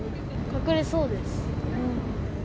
隠れそうです。